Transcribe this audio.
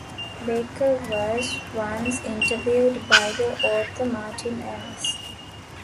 Baker was once interviewed by the author Martin Amis.